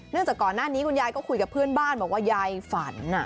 จากก่อนหน้านี้คุณยายก็คุยกับเพื่อนบ้านบอกว่ายายฝัน